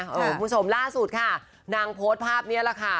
คุณผู้ชมล่าสุดค่ะนางโพสต์ภาพนี้แหละค่ะ